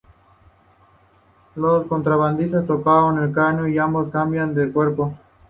Los contrabandistas, tocaron el cráneo y ambos cambian de cuerpo.